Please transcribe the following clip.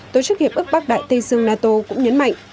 tổ chức hiệp ước bắc đại tây dương nato cũng nhấn mạnh